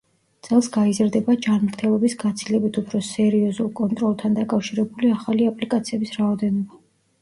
წელს გაიზრდება ჯანმრთელობის გაცილებით უფრო სერიოზულ კონტროლთან დაკავშირებული ახალი აპლიკაციების რაოდენობა.